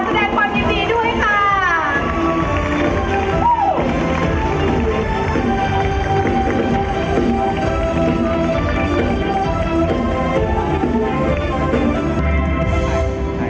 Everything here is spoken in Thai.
แสดงความยินดีด้วยค่ะ